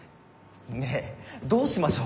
ねえどうしましょう？